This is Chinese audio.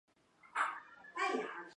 等候室有一个入口门与一个出口门。